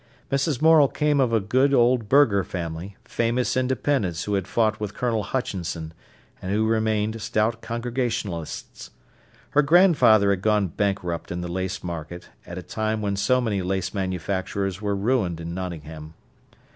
Mrs. Morel came of a good old burgher family, famous independents who had fought with Colonel Hutchinson, and who remained stout Congregationalists. Her grandfather had gone bankrupt in the lace market at a time when so many lace manufacturers were ruined in Nottingham.